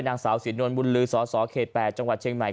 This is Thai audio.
นางสาวศรีนวลบุญลือสสเขต๘จังหวัดเชียงใหม่